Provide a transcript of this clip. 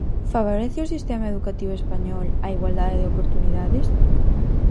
Favorece o sistema educativo español a igualdade de oportunidades?